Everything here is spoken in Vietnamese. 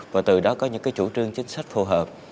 và từ đó có những chủ trương chính sách phù hợp